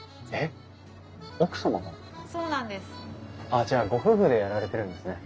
あっじゃあご夫婦でやられてるんですね。